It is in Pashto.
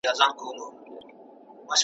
را لنډ کړی به مي خپل د ژوند مزل وي ,